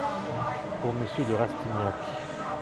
Pour monsieur de Rastignac.